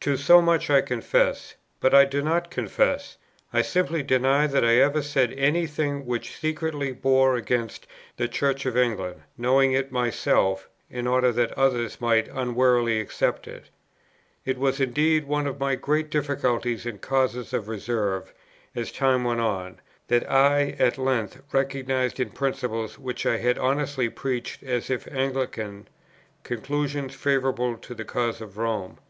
To so much I confess; but I do not confess, I simply deny that I ever said any thing which secretly bore against the Church of England, knowing it myself, in order that others might unwarily accept it. It was indeed one of my great difficulties and causes of reserve, as time went on, that I at length recognized in principles which I had honestly preached as if Anglican, conclusions favourable to the cause of Rome.